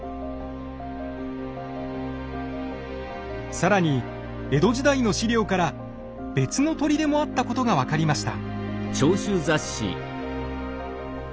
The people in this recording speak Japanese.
更に江戸時代の史料から別の砦もあったことが分かりました。